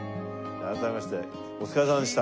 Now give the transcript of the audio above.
改めましてお疲れさまでした。